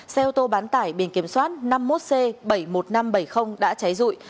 xe ô tô bán tải biển kiểm soát năm mươi một c bảy mươi một nghìn năm trăm bảy mươi đã cháy rụi